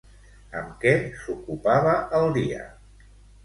Amb què s'ocupava el dia?